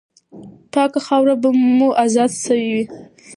پاکه خاوره به مو آزاده سوې وه.